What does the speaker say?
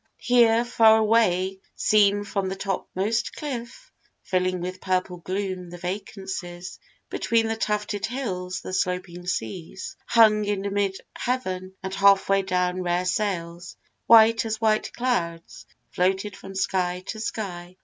Here far away, seen from the topmost cliff, Filling with purple gloom the vacancies Between the tufted hills the sloping seas Hung in mid heaven, and half way down rare sails, White as white clouds, floated from sky to sky.